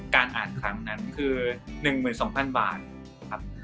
การอ่านทั้งนั้นคือ๑๒๐๐๐บาท